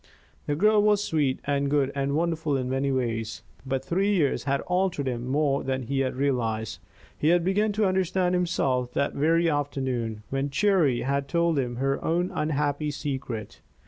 The girl was sweet and good and wonderful in many ways, but three years had altered him more than he had realized. He had begun to understand himself that very afternoon, when Cherry had told him her own unhappy secret.